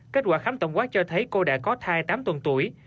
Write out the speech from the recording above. kết quả khám tổng quát cho thấy cô đã có thai tám tuần tuổi